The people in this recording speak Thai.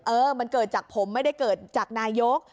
เออมันเกิดจากผมไม่ได้เกิดจากนายก